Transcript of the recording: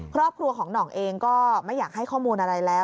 ครอบครัวของหน่องเองก็ไม่อยากให้ข้อมูลอะไรแล้ว